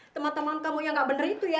teman teman kamu yang nggak bener itu ya